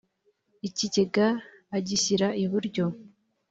ikigega agishyira iburyo